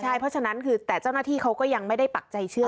ใช่เพราะฉะนั้นคือแต่เจ้าหน้าที่เขาก็ยังไม่ได้ปักใจเชื่อ